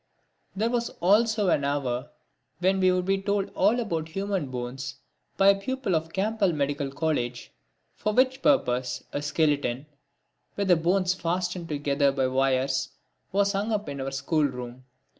There was also an hour when we would be told all about human bones by a pupil of the Campbell Medical School, for which purpose a skeleton, with the bones fastened together by wires was hung up in our schoolroom.